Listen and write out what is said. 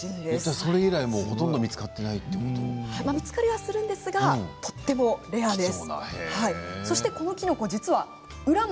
それ以来ほとんど見つかってい見つかりはするんですがとてもレアです。